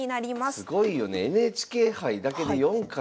すごいよね。